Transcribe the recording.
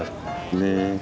ねえ。